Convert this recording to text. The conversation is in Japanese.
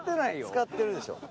使ってるでしょ。